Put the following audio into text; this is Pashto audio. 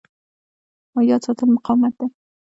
یاد ساتل مقاومت دی.